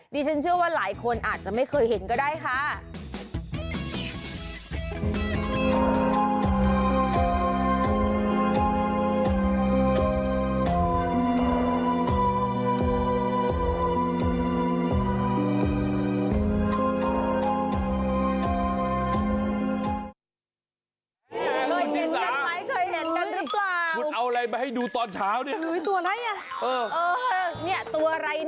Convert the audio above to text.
ดิฉันเชื่อว่าหลายคนอาจจะไม่เคยเห็นก็ได้ค่ะ